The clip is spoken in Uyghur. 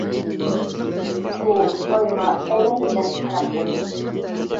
ئۇ ئايغا ئەلەم بىلەن قاراپ قويدى.